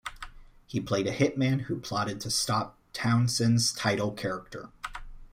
He played a hit man who plotted to stop Townsend's title character.